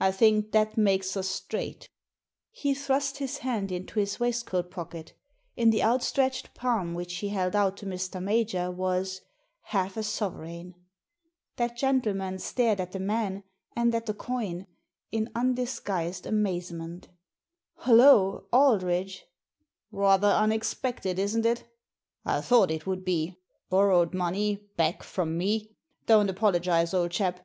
I think that makes us straight" Digitized by VjOOQIC THE TIPSTER 121 He thrust his hand into his waistcoat pocket In the outstretched palm which he held out to Mr. Major was — ^half a sovereign! That gentleman stared at the man, and at the coin, in undisguised amazement *' Hollo, Aldridge!" "Rather imexpected, isn't it? I thought it would be — ^borrowed money back from me ! Don't apologise, old chap